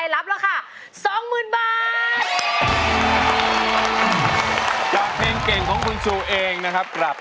ร้องได้ครับ